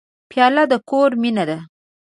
پیاله د کور مینه ده.